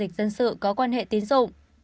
giao dịch dân sự có quan hệ tín dụng